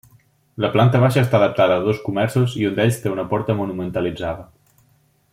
La planta baixa està adaptada a dos comerços i un d’ells té una porta monumentalitzada.